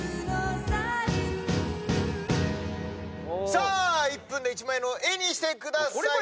さあ１分で１枚の絵にしてください。